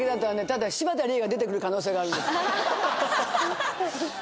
ただ柴田理恵が出てくる可能性があるんでははははっ